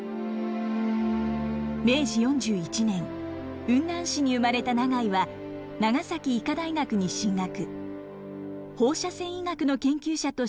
明治４１年雲南市に生まれた永井は長崎医科大学に進学。